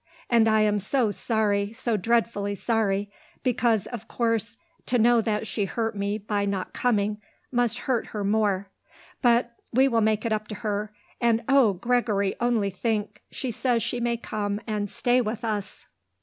And I am so sorry, so dreadfully sorry; because, of course, to know that she hurt me by not coming must hurt her more. But we will make it up to her. And oh! Gregory, only think, she says she may come and stay with us."